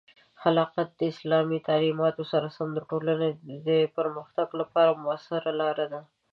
خلافت د اسلامي تعلیماتو سره سم د ټولنې د پرمختګ لپاره مؤثره لاره ده.